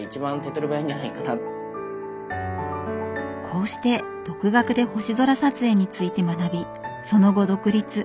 こうして独学で星空撮影について学びその後独立。